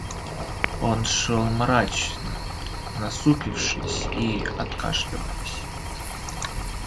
Он шел мрачно, насупившись и откашливаясь.